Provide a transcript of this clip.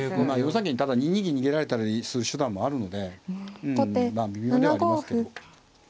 ４三桂にただ２二銀逃げられたりする手段もあるので微妙ではありますけど。